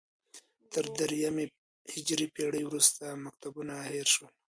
تر درېیمې هجري پېړۍ وروسته مکتبونه هېر شول